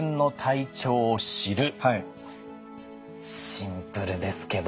シンプルですけど。